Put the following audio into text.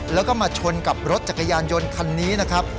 แล้วก็มาชนกับรถจักรยานยนต์คันนี้นะครับ